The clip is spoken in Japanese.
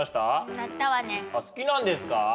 あっ好きなんですか？